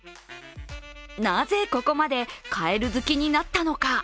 なぜここまでかえる好きになったのか。